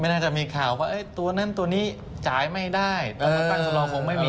น่าจะมีข่าวว่าตัวนั้นตัวนี้จ่ายไม่ได้แต่มาตั้งสลองคงไม่มี